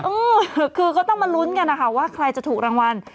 เออคือก็ต้องมาลุ้นกันนะคะว่าใครจะถูกรางวัล